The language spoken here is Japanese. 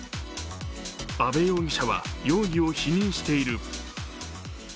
阿部容疑者は容疑を否認している。